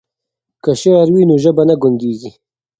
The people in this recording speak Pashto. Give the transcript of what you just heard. که شعر وي نو ژبه نه ګونګیږي.